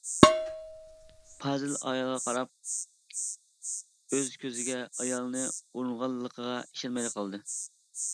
پازىل ئايالىغا قاراپ، ئۆز كۆزىگە، ئايالىنى ئۇرغانلىقىغا ئىشەنمەيلا قالدى.